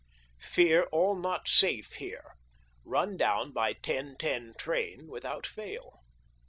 Fear all not safe here. Bun down by 10,10 train witlwut fail.